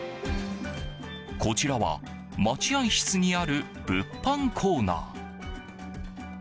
こちらは待合室にある物販コーナー。